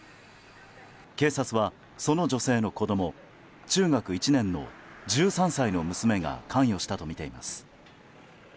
警察はその女性の子供中学１年の１３歳の娘が関与したとみています。